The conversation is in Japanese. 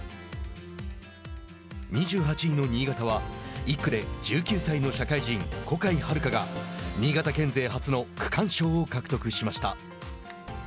２８位の新潟は１区で１９歳の社会人小海遥が新潟県勢初の区間賞を獲得しました。